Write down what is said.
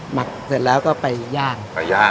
หมักเสร็จแล้วก็ไปย่าง